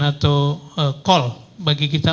atau call bagi kita